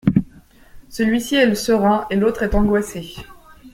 Celui-ci est serein et l’autre est angoissée.